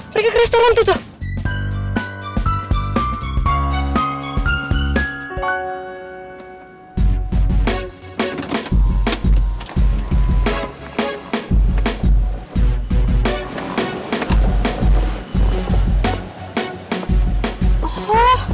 mereka ke restoran tuh tuh